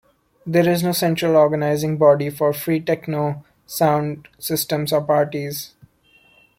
There is no central organizing body for freetekno sound systems or parties.